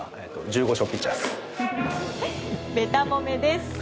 べた褒めです。